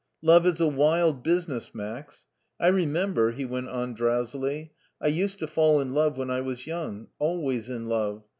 Love is a wild business. Max. I remember," he went on, drow sily, "I used to fall in love when I was young. Always in love.